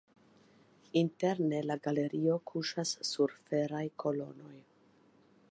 Interne la galerio kuŝas sur feraj kolonoj.